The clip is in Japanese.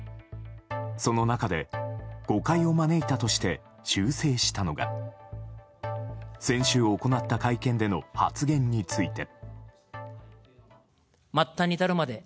その中で、誤解を招いたとして修正したのが先週行った会見での発言について。